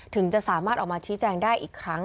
ถึงจะสามารถออกมาชี้แจงได้อีกครั้ง